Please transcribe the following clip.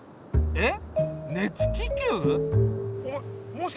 えっ？